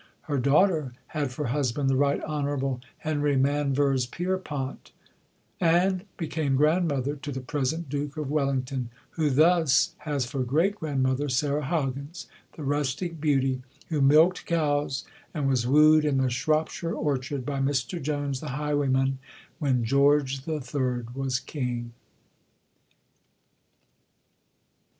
Her daughter had for husband the Right Honourable Henry Manvers Pierrepoint, and became grandmother to the present Duke of Wellington, who thus has for great grandmother Sarah Hoggins, the rustic beauty who milked cows and was wooed in the Shropshire orchard by "Mr Jones, the highwayman," when George the Third was King.